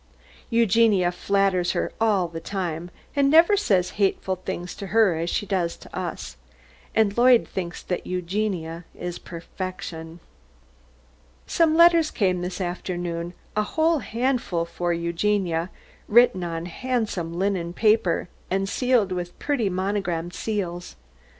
Eugenia flatters her all the time, and never says hateful things to her as she does to us, and Lloyd thinks that Eugenia is perfection. Some letters came this afternoon, a whole handful for Eugenia, written on handsome linen paper and sealed with pretty monogram seals.